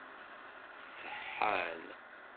Ṣeḥḥan?